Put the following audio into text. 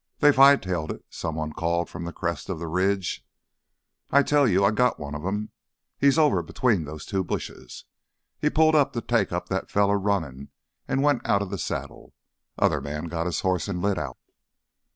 "They've hightailed it," someone called from the crest of the ridge. "I tell you ... I got one of 'em.... He's over between those two bushes. He'd pulled up to take up th' fella runnin' an' went out of th' saddle. Other man got his hoss an' lit out."